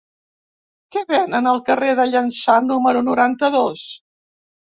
Què venen al carrer de Llança número noranta-dos?